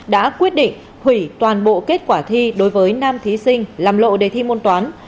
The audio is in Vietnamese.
đã quyết định hủy toàn bộ kết quả thi đối với nam thí sinh làm lộ đề thi môn toán